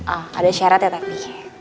ah ada syarat ya tapi